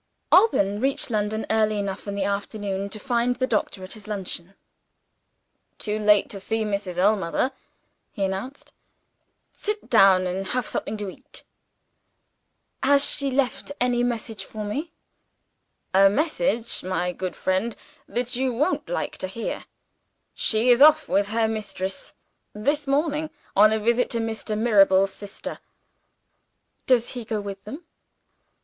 Alban reached London early enough in the afternoon to find the doctor at his luncheon. "Too late to see Mrs. Ellmother," he announced. "Sit down and have something to eat." "Has she left any message for me?" "A message, my good friend, that you won't like to hear. She is off with her mistress, this morning, on a visit to Mr. Mirabel's sister." "Does he go with them?"